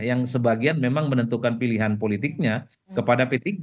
yang sebagian memang menentukan pilihan politiknya kepada p tiga